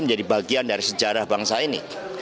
menjadi bagian dari sejarah bangsa ini